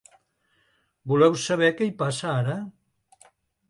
Voleu saber que hi passa ara?